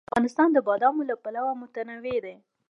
افغانستان د بادام له پلوه متنوع دی.